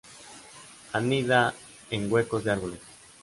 Anida en huecos de árboles.